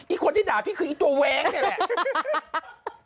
อีกคนที่ด่าพี่คือไอ้ตัวแว้งนี่แหละ